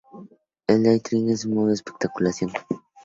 El day trading es un modo de especulación.